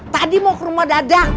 tadi mau ke rumah dadang